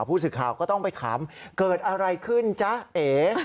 ผู้สื่อข่าวก็ต้องไปถามเกิดอะไรขึ้นจ๊ะเอ